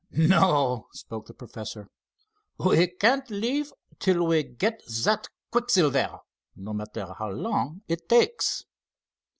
"No," spoke the professor. "We can't leave till we get that quicksilver, no matter how long it takes."